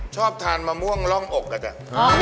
ชอบทานมะม่วงร่องอกอ่ะจ้ะ